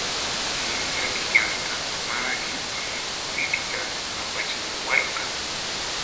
Kimsa killanta mamaanii qullqita apachimuwarqa.